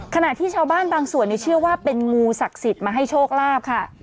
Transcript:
ขณะที่ชาวบ้านบางส่วนเชื่อว่าเป็นงูศักดิ์สิทธิ์มาให้โชคลาภค่ะ